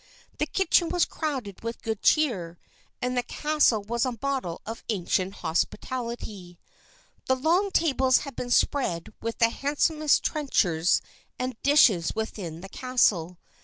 The kitchen was crowded with good cheer, and the castle was a model of ancient hospitality. The long tables had been spread with the handsomest trenchers and dishes within the castle.